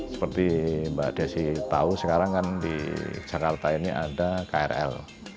seperti mbak desi tahu sekarang kan di jakarta ini ada krl